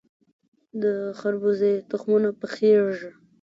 د خربوزې تخمونه پخیږي.